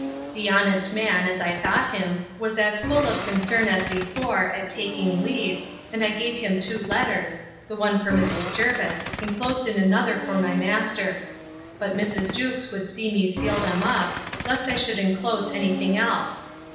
The honest man, as I thought him, was as full of concern as before, at taking leave and I gave him two letters, the one for Mrs. Jervis, enclosed in another for my master: but Mrs. Jewkes would see me seal them up, lest I should enclose any thing else.